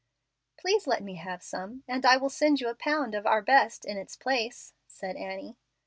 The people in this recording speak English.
"Please let me have some, and I will send you a pound of our best in its place," said Annie.